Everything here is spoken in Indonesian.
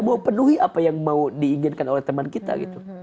mau penuhi apa yang mau diinginkan oleh teman kita gitu